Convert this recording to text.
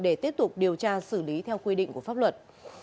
để tiếp tục điều tra xử lý theo quy định của pháp luật